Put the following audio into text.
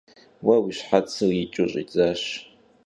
Vue vui şhetsır yiç'ıu ş'idzaş.